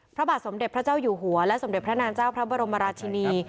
พระบาทสมเด็จพระเจ้าอยู่หัวและสมเด็จพระนางเจ้าพระบรมราชินี